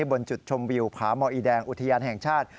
บนจุดชมวิวผาหมออีแดงอุทยานแห่งชาติ